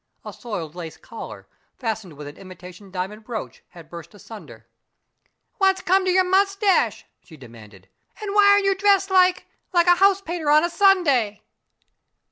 A soiled lace collar, fastened with an imitation diamond brooch, had burst asunder. "What's come to your moustache?" she demanded. "And why are you dressed like like a house painter on a Sunday?"